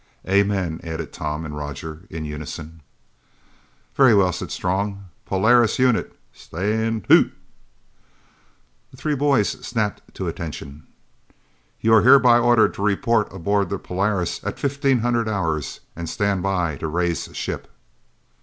"Amen!" added Tom and Roger in unison. "Very well," said Strong. "Polaris unit Staaaaand TO!" The three boys snapped to attention. "You are hereby ordered to report aboard the Polaris at fifteen hundred hours and stand by to raise ship!"